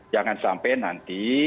jangan sampai nanti